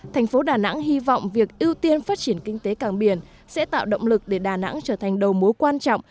thành phố đà nẵng hy vọng việc ưu tiên phát triển kinh tế càng biển sẽ tạo động lực để đà nẵng trở thành đầu mối quan trọng